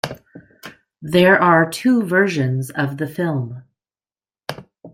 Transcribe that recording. There are two versions of the film.